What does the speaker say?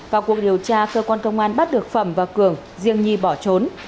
vào cuộc điều tra cơ quan công an bắt được phẩm và cường riêng nhi bỏ trốn